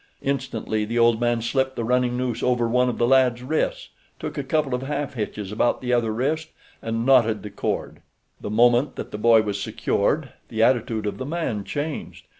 Instantly the old man slipped the running noose over one of the lad's wrists, took a couple of half hitches about his other wrist, and knotted the cord. The moment that the boy was secured the attitude of the man changed.